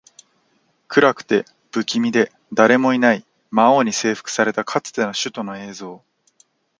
暗くて、不気味で、誰もいない魔王に征服されたかつての首都の映像